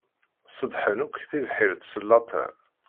Ṣeddḥen akk tibḥirt s later.